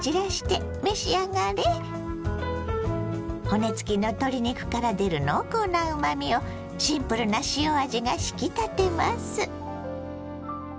骨付きの鶏肉から出る濃厚なうまみをシンプルな塩味が引き立てます。